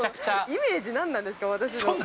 ◆イメージなんなんですか、私の。